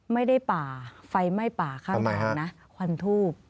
ไม่ได้ป่าไฟไหม้ป่าข้างทางนะควันทูบ